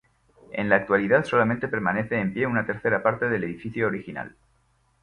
En la actualidad solamente permanece en pie una tercera parte del edificio original.